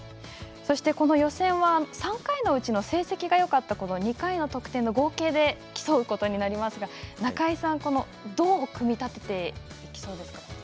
この予選は３回のうちの成績がよかった２回の得点の合計で競うことになりますが中井さんどう組みたてていきそうですか？